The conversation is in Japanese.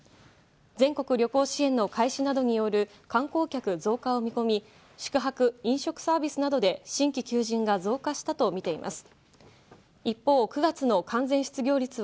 全国旅行支援の開始などによる観光客増加を見込み、宿泊・飲食サービスなどで新規求人が増加したとみています。